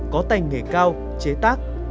có tài nghề cao chế tác